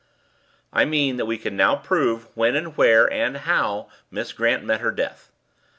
"I mean that we can now prove when and where and how Miss Grant met her death.